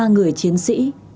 ba người chiến sĩ